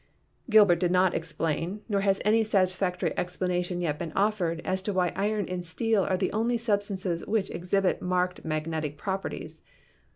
Gilbert did not explain, nor has any satisfactory explana tion yet been offered, as to why iron and steel are the only substances which exhibit marked magnetic properties.